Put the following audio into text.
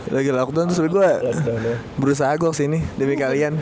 lagi lockdown terus tapi gue berusaha gue kesini demi kalian